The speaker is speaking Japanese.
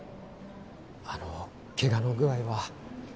あのケガの具合は？